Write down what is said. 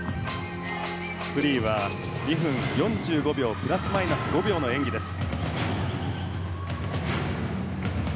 フリーは２分４５秒プラスマイナス５秒の演技です。